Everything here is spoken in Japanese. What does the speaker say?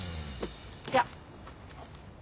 じゃあ。